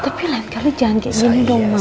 tapi lain kali jangan kayak gini dong mas